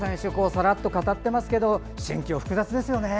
さらっと語ってますけど心境、複雑ですよね。